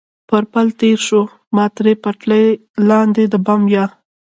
پر پل تېر شو، ما تر پټلۍ لاندې د بم یا.